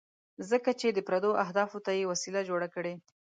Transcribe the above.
ځکه چې د پردو اهدافو ته یې وسیله جوړه کړې.